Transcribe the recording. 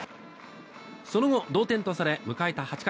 その後同点とされ迎えた８回。